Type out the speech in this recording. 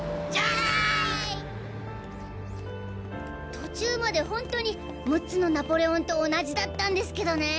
途中まで本当に『六つのナポレオン』と同じだったんですけどね。